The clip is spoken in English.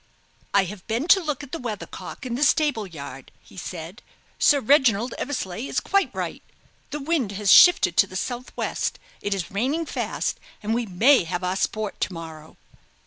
"I have been to look at the weathercock in the stable yard," he said; "Sir Reginald Eversleigh is quite right. The wind has shifted to the sou' west; it is raining fast, and we may have our sport to morrow."